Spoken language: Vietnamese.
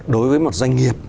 đối với một doanh nghiệp